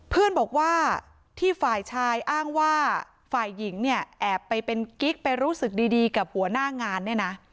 เพื่อนบอกว่าที่ฝ่ายชายอ้างว่าฝ่ายหญิงเนี่ยแอบไปเป็นกิ๊กไปรู้สึกดีกับหัวหน้างานเนี่ยนะ